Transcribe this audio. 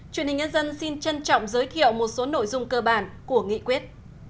truyền hình nhân dân xin trân trọng giới thiệu một số nội dung cơ bản của nghị quyết